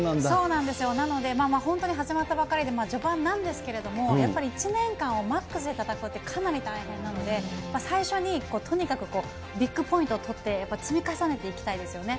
なので本当に始まったばかりで序盤なんですけども、やっぱり１年間をマックスで戦うってかなり大変なので、最初にとにかくビッグポイントを取って、やっぱり積み重ねていきたいですよね。